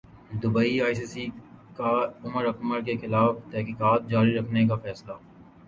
Dubai ئی سی سی کا عمراکمل کیخلاف تحقیقات جاری رکھنے کا فیصلہ